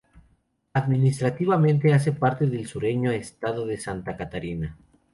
Administrativamente hace parte del sureño estado de Santa Catarina.